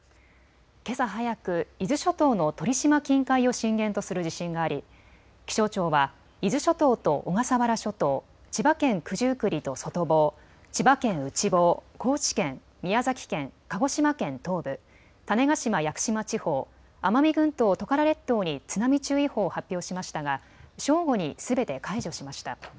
けさ早く、伊豆諸島の鳥島近海を震源とする地震があり気象庁は伊豆諸島と小笠原諸島、千葉県九十九里と外房、千葉県内房、高知県、宮崎県、鹿児島県東部、種子島・屋久島地方、奄美群島・トカラ列島に津波注意報を発表しましたが正午にすべて解除しました。